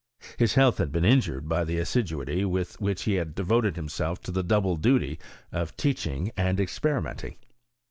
His health had been injured by the assiduity with which he had devoted himself to the double duty of teaching and experimenting.